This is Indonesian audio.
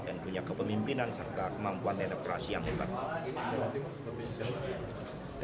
dan punya kepemimpinan serta kemampuan edukasi yang hebat